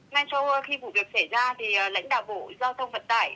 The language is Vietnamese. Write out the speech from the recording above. ngay sau khi vụ việc xảy ra thì lãnh đạo bộ giao thông vận tải